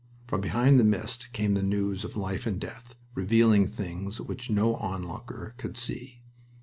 From behind the mist came the news of life and death, revealing things which no onlooker could see.